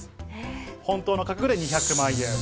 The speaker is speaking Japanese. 本当の価格で２００万円。